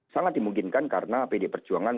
sangat dimungkinkan karena pd perjuangan